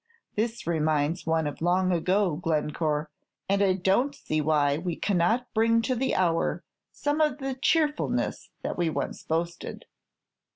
"This reminds one of long ago, Glencore, and I don't see why we cannot bring to the hour some of the cheerfulness that we once boasted."